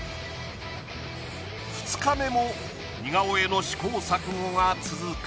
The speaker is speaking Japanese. ２日目も似顔絵の試行錯誤が続く。